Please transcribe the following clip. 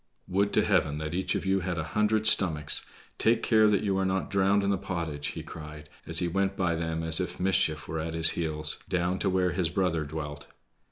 "Would to Heaven that each of you had a hundred stomachs! Take care that you are not drowned in the pottage," he cried as he went by them as if mischief were at his heels, down to where his brother dwelt.